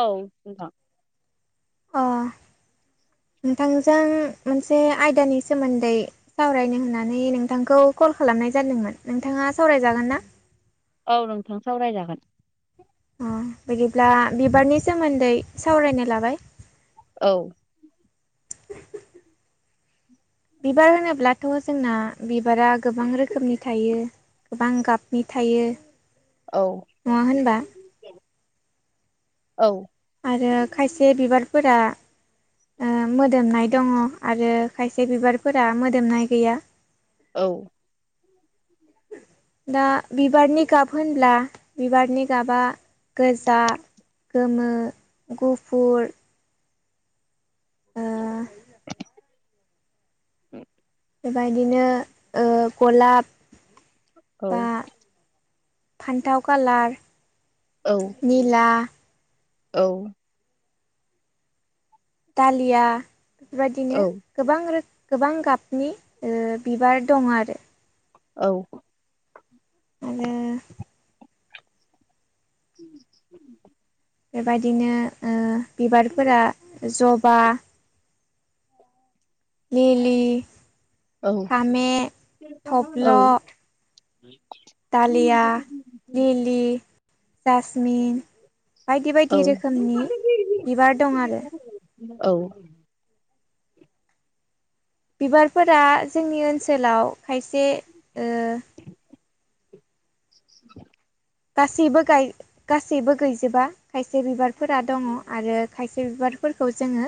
औ नोंथां। अ। नोंथांजों मोनसे आयदानि सोमोन्दै सावरायनो होननानै नोंथांखौ कल खालामनाय जादोंमोन नोंथाङा सावरायजागोन ना? औ नोंथां, सावराय जागोन। अ बिदिब्ला बिबारनि सोमोन्दै सावरायनो लाबाय। औ। [inaudible] बिबार होनोब्लाथ' जोंना बिबारा गोबां रोखोमनि थायो। गोबां गाबनि थायो औ नङा होनबा। औ आरो खायसे बिबारफोरा ओ मोदोमनाय दङ आरो खायसे बिबारफोरा मोदोमनाय गैया। औ। [inaudible] दा बिबारनि गाब होनब्ला बिबारनि गाबा गोजा, गोमो, गुफुर ओ [unintelligible] बेबायदिनो ओ गलाब, औ। बा फान्थाव कालार, औ निला, औ। दालिया औ बेफोरबायदिनो गोबां रोख गोबां गाबनि ओ बिबार दङ आरो। औ आरो [unintelligible] बेबायदिनो ओ बिबारफोरा जबा, लिलि, फामे, थब्ल [inaudible] दालिया, लिलि जासमिन बायदि बायदि रोखोमनि बिबार दं आरो । औ बिबारफोरा जोंनि ओनसोलाव खायसे ओ [inaudible] गासैबो गाय गासैबो गैजोबा खायसे बिबारफोरा दङ आरो खायसे बिबार फोरखौ जोङो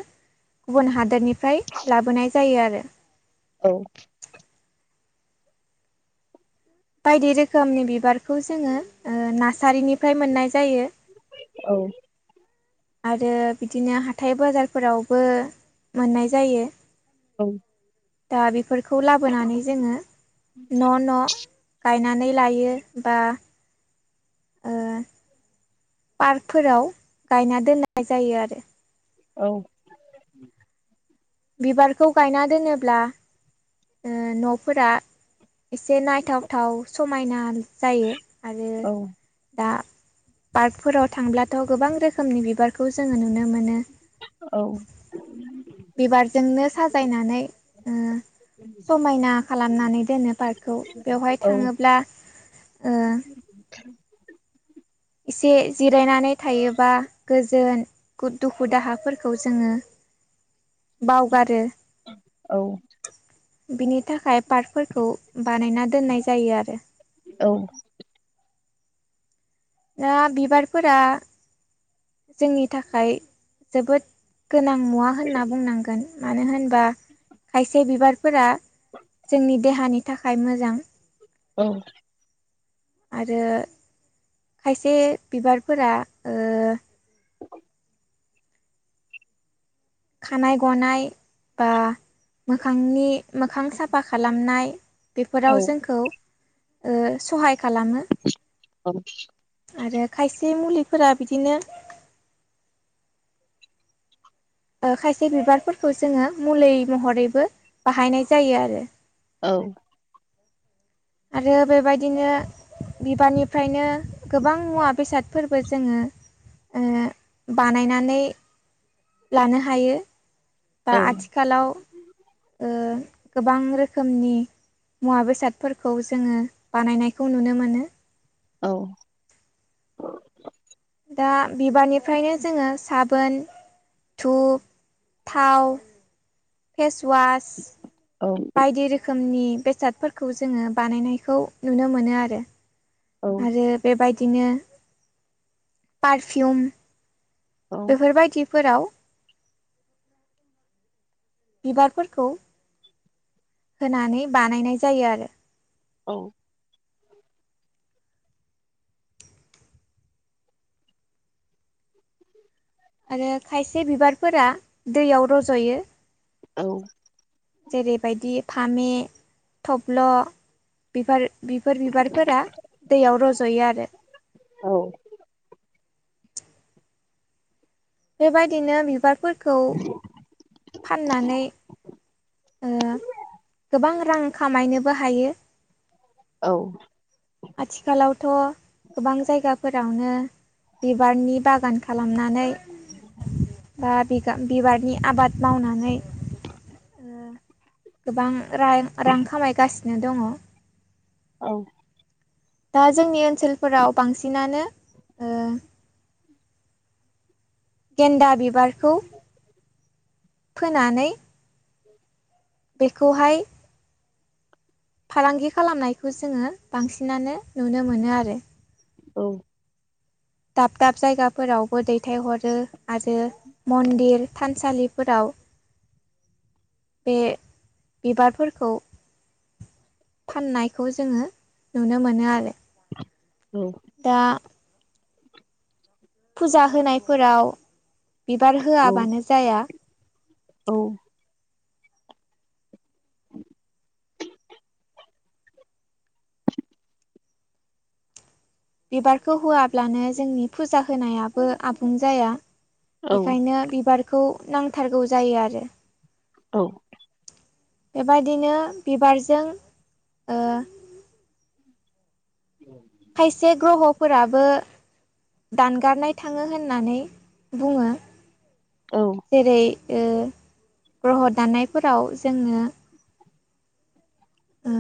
गुबुन हादोरनिफ्राय लाबोनाय जायो आरो । औ बायदि रोखोमनि बिबारखौ जोङो ओ नार्सारिनि फ्राय मोननाय जायो। आरो बिदिनो हाथाय बाजारफोरावबो मोननाय जायो। औ दा बेफोरखौ लाबोनानै जोङो न' न' गायनानै लायो बा ओ पार्कफोराव गायना दोननाय जायो आरो। औ। बिबारखौ गायना दोनोब्ला ओ न'फोरा एसे नायथावथाव समायना जायो आरो दा पार्कफोराव थांब्लाथ' गोबां रोखोमनि बि बिबारखौ जोङो नुनो मोनो। बिबारजोंनो साजायनानै उम समायना खालामनानै दोनो पार्कखौ बेवहाय थाङोब्ला ओ एसे जिरायनानै थायोबा गोजोन गु दुखु दाहाफोरखौ जोङो बावगारो औ। बिनि थाखाय पार्कफोरखौ बानायना दोननाय जायो आरो। औ। दा बिबारफोरा जोंनि थाखाय जोबोद गोनां मुवा होनना बुंनांगोन मानो होनबा खायसे बिबार फोरा जोंनि देहानि थाखाय मोजां। औ। आरो खायसे बिबारफोरा ओ [inaudible] खानाय गनाय बा मोखांनि मोखां साफा खालामनाय बेफोराव जोंखौ ओ सहाय खालामो आरो खायसे मुलिफोरा बिदिनो ओ खायसे बिबारफोरखौ जोङो मुलै महरैबो बाहायनाय जायो आरो। औ। आरो बेबायदिनो‌ बिबारनिफ्रायनो गोबां मुवा बेसादफोरबो जोङो ओ बानायनानै लानो हायो बा आथिखालाव ओ गोबां रोखोम नि मुवा बेसादफोरखौ जोङो बानायनायखौ नुनो मोनो। औ। दा बिबारनिफ्रायनो जोङो साबोन धुप, थाव, फेसवास बायदि रोखोमनि बेसादफोरखौ जोङो बानायनायखौ नुनो मोनो आरो आरो बेबायद दिनो पारफिवुम। बेफोरबायदिफोराव बिबारफोरखौ होनानै बानायनाय जायो आरो। औ। आरो खायसे बिबारफोरा दैयाव रज'यो। औ। जेरैबायदि फामे थब्ल' बेफोर बिफोर बिबारफोरा दैयाव रज'यो आरो। औ। बेबायदिनो बिबारफोरखौ फाननानै ओ गोबां रां खामायनोबो हायो। औ। आथिखालावथ' गोबां जायगाफोरावनो बिबारनि बागान खालामनानै [inaudible] बा बि बिबारनि आबाद मावनानै गोबां रां खामायगासिनो दङ। औ। दा जोंनि ओनसोलफोराव बांसिनानो ओ गेन्दा बिबारखौ [inaudible] फोनानै [inaudible] बेखौहाय फालांगि खालामनायखौ जोङो बांसिनानो नुनो मोनो आरो। औ। दाब दाब जायगाफोरावबो दैथायहरो आरो मन्दिर थानसालिफोराव बे बिबारफोरखौ फाननायखौ जोङो नुनो मोनो आरो। दा फुजा होनायफोराव बिबार होआबानो जाया [inaudible] बिबारखौ होआब्लानो जोंनि फुजा होनायाबो आबुं जाया। औ बेखायनो बिबारखौ नांथारगौ जायो आरो। औ। बेबायदिनो बिबारजों ओ खायसे ग्रह फोराबो दानगारनाय थाङो होननानै बुङो। औ जेरै ओ ग्रह' दानायफोराव जोङो ओ।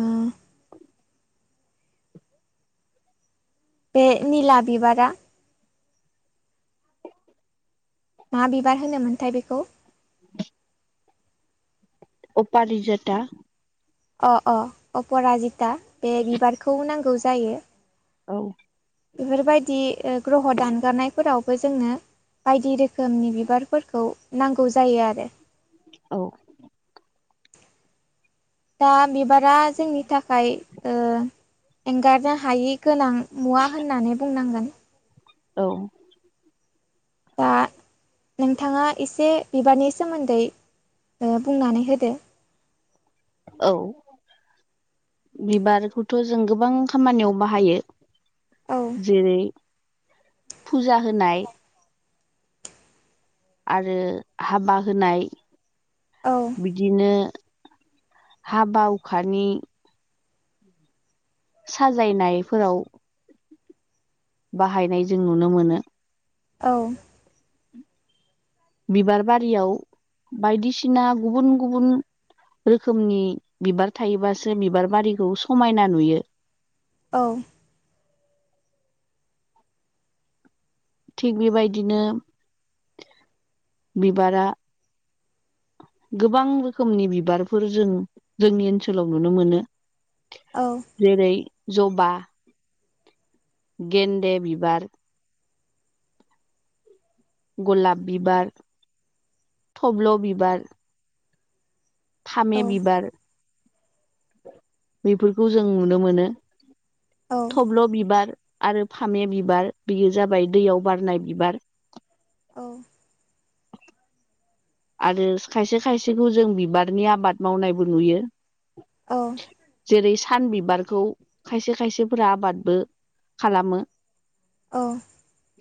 बे निला बिबारा मा बिबार होनोमोनथाय बेखौ [inaudible] अपारिजता अ अ अपराजिता बे बिबारखौ नांगौ जायो। औ। बेफोरबायदि ग्रह' दानगारनायफोरावबो जोंनो बायदि रोखोमनि बिबारफोरखौ नांगौ जायो आरो। औ। दा बिबारा जोंनि थाखाय ओ एंगारनो हायि गोनां मुवा होननानै बुंनांगोन। औ। दा नोंथाङा एसे बिबारनि सोमोन्दै बुंनानै होदो। औ। बिबारखौथ' जों गोबां खामानियाव बाहायो। औ जेरै फुजा होनाय आरो हाबा होनाय औ बिदिनो हाबा उखानि साजायनायफोराव बाहायनाय जों नुनो मोनो। औ। बिबार बारियाव बायदिसिना गुबुन गुबुन रोखोमनि बिबार थायोबासो बिबार बारिखौ समायना नुयो। औ थिग बेबायदिनो बिबारा गोबां रोखोमनि बिबारफोर जों जोंनि ओनसोलाव नुनो मोनो। औ जेरै जबा गेन्दे बिबार। गलाप बिबार, थब्ल' बिबार, फामे औ बिबार बेफोरखौ जों नुनो मोनो। औ थबल' बिबार, आरो फामे बिबार बेयो जाबाय दैयाव बारनाय बिबार। औ आरो खायसे खायसेखौ जों बिबारनि आबाद मावनायबो नुयो। औ जेरै सान बिबारखौ खायसे खायसेफोरा आबादबो खालामो। औ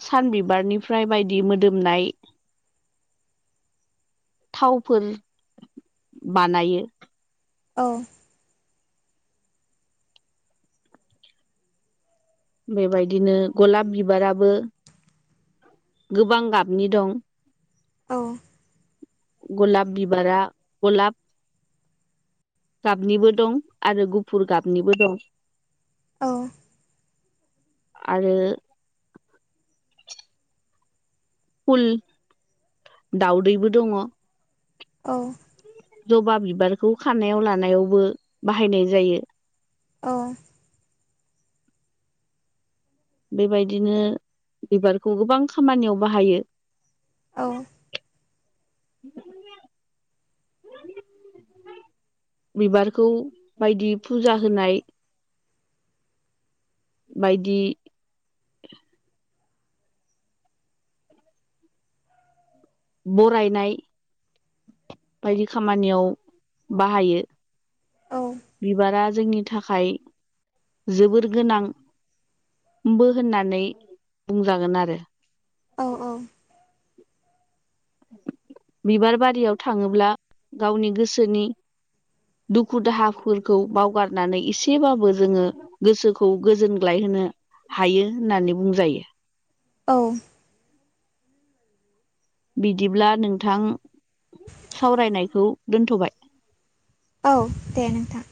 सानबिबारनिफ्राय बायदि मोदोमनाय थावफोर बानायो। औ बेबायदिनो गलाब बिबाराबो गोबां गाबनि दं। औ गलाप बिबारा गलाप गाबनिबो दं आरो गुफुर गाबनिबो दं। औ आरो फुल दाउदैबो दङ। औ जबा बिबारखौ खानायाव लानायावबो बाहायनाय जायो। औ बेबायदिनो बिबारखौ गोबां खामानियाव बाहायो। औ [unintelligible] बिबारखौ बायदि फुजा होनाय बायदि बरायनाय बायदि खामानियाव बाहायो। बिबारा जोंनि थाखाय जोबोर गोनां। बो होननानै बुंजागोन आरो औ औ बिबार बारियाव थाङोब्ला गावनि गोसोनि दुखु दाहाफोरखौ बावगारनानै एसेबाबो जोङो गोसोखौ गोजोनग्लाय होनो हायो होननानै बुंजायो। औ बिदिब्ला नोंथां सावरायनायखौ दोनथ'बाय। औ दे नोंथां।